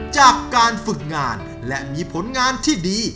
จากการฝึกงานและมีผลงานที่ดี